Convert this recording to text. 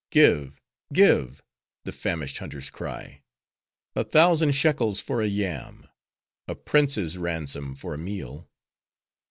'Give, give,' the famished hunters cry—, 'a thousand shekels for a yam!—a prince's ransom for a meal!